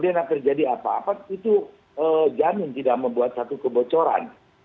dia tidak terjadi apa apa itu jamin tidak membuat satu kebocoran